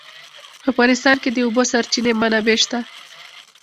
په افغانستان کې د د اوبو سرچینې منابع شته.